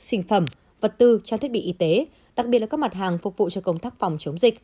sinh phẩm vật tư trang thiết bị y tế đặc biệt là các mặt hàng phục vụ cho công tác phòng chống dịch